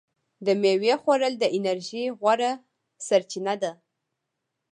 د میوې خوړل د انرژۍ غوره سرچینه ده.